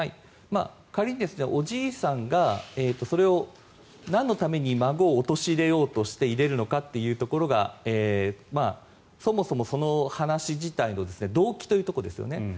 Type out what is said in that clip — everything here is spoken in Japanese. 仮におじいさんがそれをなんのために孫を陥れようとして入れるのかというところがそもそも、その話自体の動機というところですよね。